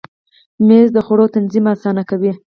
مېز د خوړو تنظیم اسانه کوي.